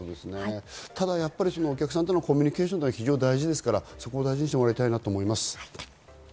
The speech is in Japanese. ただ、お客さんとのコミュニケーションは非常に大事ですから、大事にしていただきたいと思います。